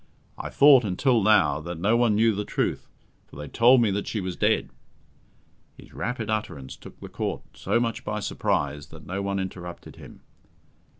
I thought, until now, that no one knew the truth, for they told me that she was dead." His rapid utterance took the Court so much by surprise that no one interrupted him.